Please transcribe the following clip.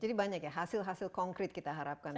jadi banyak ya hasil hasil concrete kita harapkan